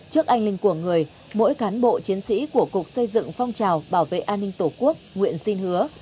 trước anh linh của người mỗi cán bộ chiến sĩ của cục xây dựng phong trào bảo vệ an ninh tổ quốc nguyện xin hứa